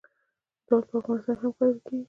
دال په افغانستان کې هم کرل کیږي.